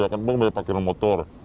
kan emang banyak parkiran motor